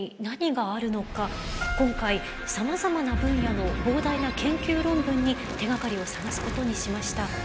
今回さまざまな分野の膨大な研究論文に手がかりを探すことにしました。